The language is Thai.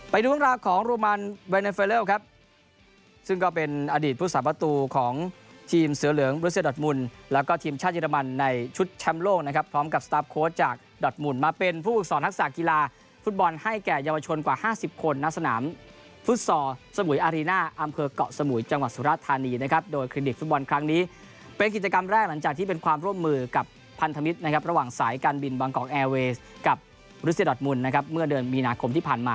ไปดูเวลาของโรมานเวนเฟอร์เล่วครับซึ่งก็เป็นอดีตผู้สามารถประตูของทีมเสือเหลืองรุสเซียดอทมุนแล้วก็ทีมชาติเยอรมันในชุดแชมป์โล่งนะครับพร้อมกับสตาร์ฟโค้ดจากดอทมุนมาเป็นผู้ปรึกศรทักษะกีฬาฟุตบอลให้แก่เยาวชนกว่า๕๐คนนักสนามฟุตส่อสมุยอารีน่าอำเภอเกาะสม